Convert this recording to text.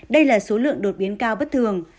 đây là số lượng đột biến cao bất thường